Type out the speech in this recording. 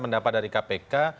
pendapat dari kpk